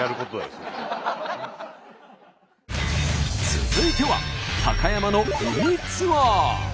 続いては高山の海ツアー。